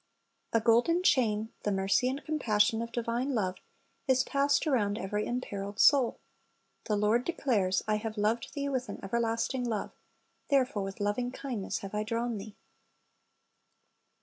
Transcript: "^ A golden chain, the mercy and compassion of divine love, is passed around every imperiled soul. The Lord declares, "I have loved thee with an everlasting love; therefore with loving kindness have I drawn thee."